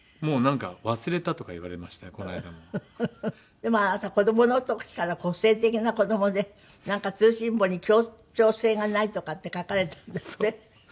でもあなた子どもの時から個性的な子どもで通信簿に協調性がないとかって書かれたんですって？